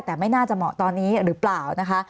แต่ไม่น่าจะเหมาะตอนนี้หรือเปล่านะคะ